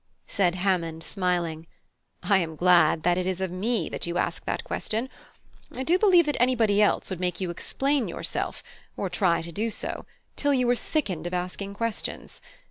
Said Hammond, smiling: "I am glad that it is of me that you ask that question; I do believe that anybody else would make you explain yourself, or try to do so, till you were sickened of asking questions.